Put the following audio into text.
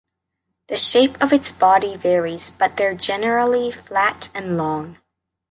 The shape of its body varies, but they’re generally flat and long.